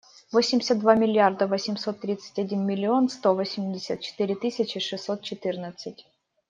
Восемьдесят два миллиарда восемьсот тридцать один миллион сто восемьдесят четыре тысячи шестьсот четырнадцать.